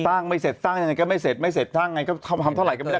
สร้างไม่เสร็จสร้างไงก็ไม่เสร็จสร้างไงก็ทำเท่าไหร่ก็ไม่ได้